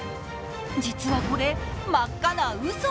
実はこれ、真っ赤なうそ。